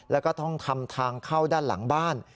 แล้วก็ต้องทำทางเข้าด้านหลังบ้าน